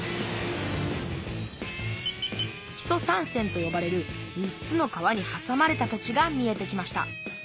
木曽三川とよばれる３つの川にはさまれた土地が見えてきました。